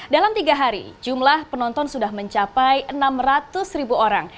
dalam tiga hari jumlah penonton sudah mencapai enam ratus ribu orang